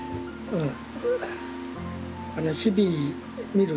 うん。